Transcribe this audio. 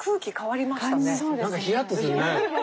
何かヒヤッとするね。